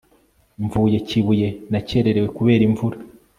mvuye kibuye nakererewe kubera imvura